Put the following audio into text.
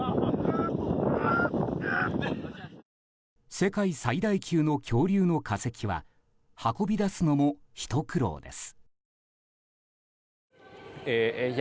世界最大級の恐竜の化石は運び出すのもひと苦労です。